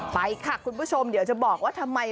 ไปค่ะคุณผู้ชมเดี๋ยวจะบอกว่าทำไม